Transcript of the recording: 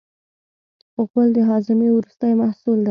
غول د هاضمې وروستی محصول دی.